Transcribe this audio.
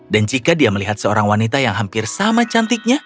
dan jika dia melihat seorang wanita yang hampir sama cantiknya